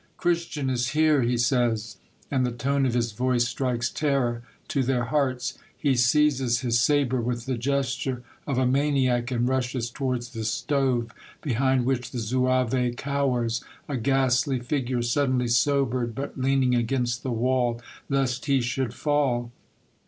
" Christian is here !" he says ; and the tone of his voice strikes terror to their hearts. He seizes his sabre with the gesture of a maniac, and rushes towards the stove behind which the zouave cowers, a ghastly figure, suddenly sobered, but leaning against the wall, lest he should fall.